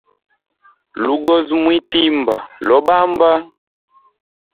Lugozi mwitimba lobamba.